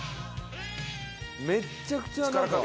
めっちゃくちゃなんか。